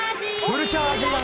フルチャージだ！